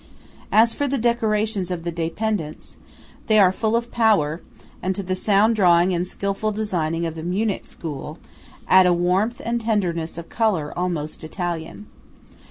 As for the decorations of the Dependance, they are full of power, and to the sound drawing and skilful designing of the Munich school, add a warmth and tenderness of colour almost Italian.